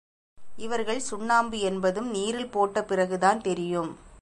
இவர்கள் சுண்ணாம்பு என்பது, நீரில் போட்ட பிறகுதான் தெரியும்.